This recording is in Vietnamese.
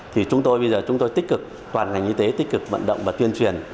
thì chúng tôi bây giờ chúng tôi tích cực toàn ngành y tế tích cực vận động và tuyên truyền